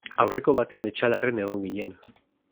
Aurreko batean Etxalarren egon ginen.